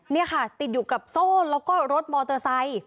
นี่ค่ะติดอยู่กับโซ่แล้วก็รถมอเตอร์ไซค์